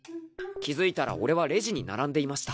気付いたら俺はレジに並んでいました。